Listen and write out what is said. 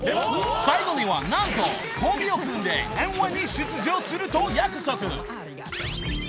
［最後には何とコンビを組んでＭ−１に出場すると約束］